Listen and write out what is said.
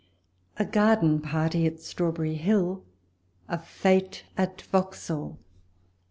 A GABDEN PAIfTY AT STBAWBEIiRY HILL— A FETE AT VAUXHALL.